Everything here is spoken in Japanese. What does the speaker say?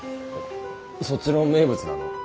そっちの名物なの？